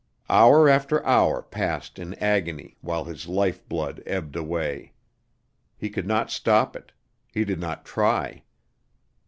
Hour after hour passed in agony, while his life blood ebbed away. He could not stop it; he did not try.